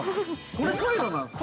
これカイロなんですか。